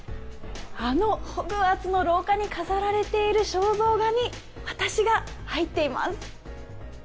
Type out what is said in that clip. あのホグワーツの廊下に飾られている肖像画に私が入っています。